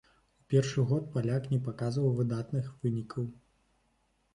У першы год паляк не паказваў выдатных вынікаў.